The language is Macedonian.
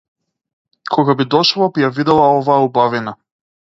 Кога би дошла би ја видела оваа убавина.